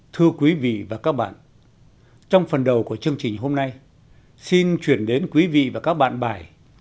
thưa quý vị và các bạn trong phần đầu của chương trình hôm nay xin chuyển đến quý vị và các bạn bài